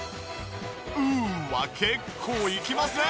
うわ結構いきますね！